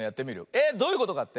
えっどういうことかって？